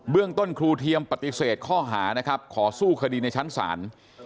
เรื่องต้นครูเทียมปฏิเสธข้อหานะครับขอสู้คดีในชั้นศาล